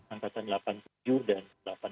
angkatan delapan puluh tujuh dan delapan puluh delapan